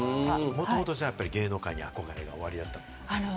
もともと芸能界に憧れがおありになった？